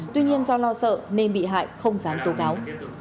tuy nhiên do lo sợ nên bị hại không dám tố cáo